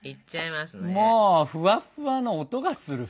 もうふわっふわの音がする。